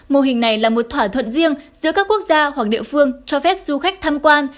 mô hình này là một thỏa thuận riêng giữa các quốc gia hoặc địa phương cho phép du khách tham quan